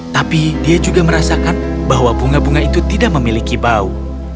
tapi dia juga merasakan bahwa bunga bunga itu tidak memiliki bau